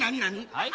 はい？